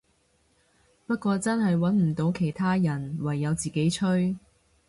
不過真係穩唔到其他人，唯有自己吹